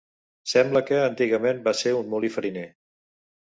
Sembla que, antigament, va ser un molí fariner.